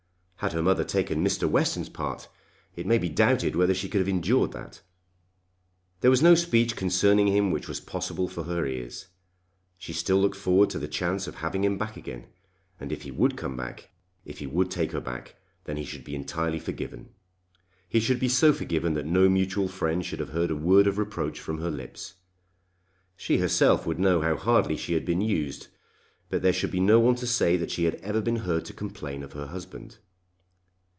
Had her mother taken Mr. Western's part, it may be doubted whether she could have endured that. There was no speech concerning him which was possible for her ears. She still looked forward to the chance of having him back again, and if he would come back, if he would take her back, then he should be entirely forgiven. He should be so forgiven that no mutual friend should have heard a word of reproach from her lips. She herself would know how hardly she had been used; but there should be no one to say that she had ever been heard to complain of her husband.